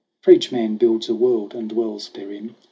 For each man builds a world and dwells therein.